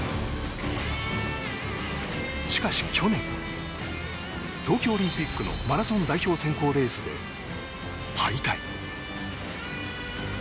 しかし去年、東京オリンピックのマラソン代表選考レースで敗退。